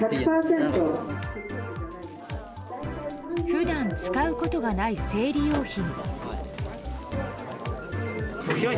普段使うことがない生理用品。